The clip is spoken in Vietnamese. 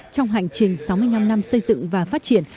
trong hành trình sáu mươi năm năm xây dựng và phát triển